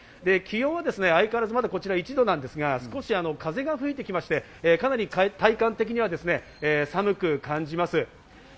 気温は相変わらず、こちらはまだ１度ですが、少し風が吹いてきて、かなり体感的には寒く感じます。